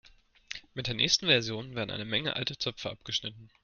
Mit der nächsten Version werden eine Menge alte Zöpfe abgeschnitten.